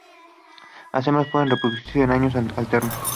Las hembras pueden reproducirse en años alternos.